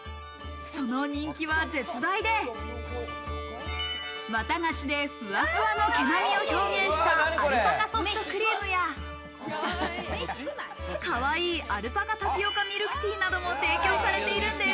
その人気は絶大で、わたがしでフワフワの毛並みを表現したアルパカソフトクリームやかわいい、アルパカタピオカミルクティーなども提供されているんです。